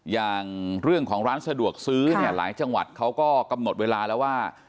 อย่างเรื่องของร้านสะดวกซื้อเนี่ยหลายจังหวัดเขาก็กำหนดเวลาแล้วว่า